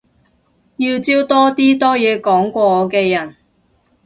要招多啲多嘢講過我嘅人